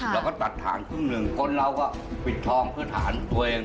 เราก็ตัดฐานครึ่งหนึ่งคนเราก็ปิดทองเพื่อฐานตัวเอง